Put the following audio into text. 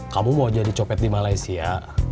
kamu mau jadi copet di malaysia